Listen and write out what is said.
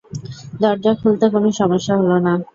দরজা খুলতে কোনো সমস্যা হল না।